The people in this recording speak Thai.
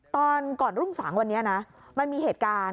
ตอนก่อนรุ่งสางวันนี้นะมันมีเหตุการณ์